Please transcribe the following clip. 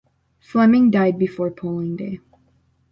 Fleming, died before polling day.